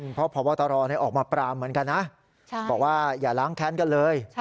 เพราะพบตรออกมาปรามเหมือนกันนะบอกว่าอย่าล้างแค้นกันเลย